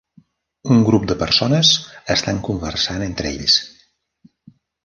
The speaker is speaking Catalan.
Un grup de persones estan conversant entre ells.